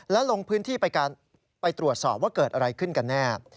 แล้วลงพื้นที่ไปตรวจสอบว่าเกิดอะไรขึ้นกันแน่